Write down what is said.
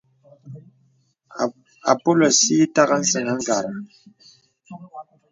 Àpōlə̀ sī itàgha a səŋ àgara.